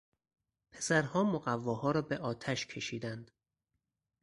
پسرها مقواها را به آتش کشیدند.